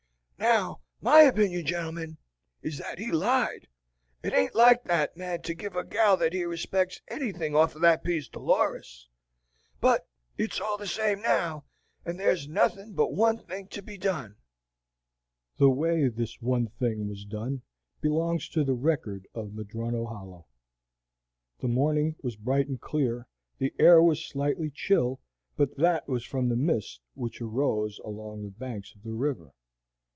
Now my opinion, gentlemen, is that he lied; it ain't like that man to give a gal that he respects anything off of that piece, Dolores. But it's all the same now, and there's but one thing to be done." The way this one thing was done belongs to the record of Madrono Hollow. The morning was bright and clear; the air was slightly chill, but that was from the mist which arose along the banks of the river.